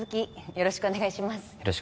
よろしくお願いします